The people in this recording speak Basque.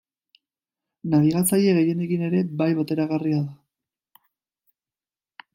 Nabigatzaile gehienekin ere bai bateragarria da.